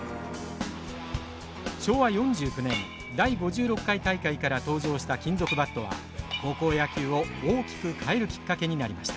昭和４９年第５６回大会から登場した金属バットは高校野球を大きく変えるきっかけになりました。